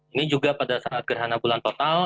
ini juga pada saat gerhana bulan total